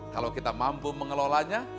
kalau kita mampu mengelolanya